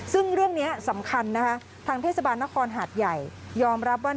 ซึ่งเรื่องนี้สำคัญนะคะทางเทศบาลนครหาดใหญ่ยอมรับว่า